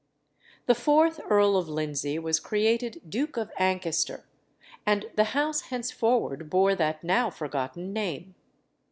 The fourth Earl of Lindsey was created Duke of Ancaster, and the house henceforward bore that now forgotten name.